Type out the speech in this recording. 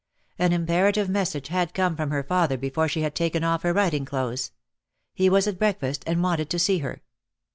An imperative message had come from her father before she had taken off her riding clothes; he was at breakfast and wanted to see her.